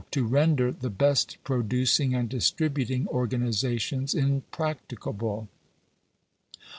419 to render the best producing and distributing organizations impracticable.